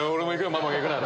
マモがいくなら。